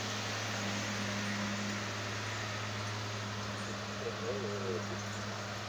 这个国家公园被称为罕见且濒危的山地大猩猩和金丝猴的天堂。